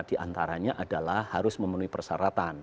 di antaranya adalah harus memenuhi persyaratan